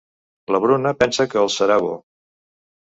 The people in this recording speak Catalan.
La Bruna pensa que els serà bo.